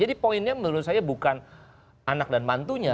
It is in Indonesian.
jadi poinnya menurut saya bukan anak dan mantunya